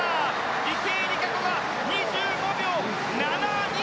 池江璃花子が２５秒７２。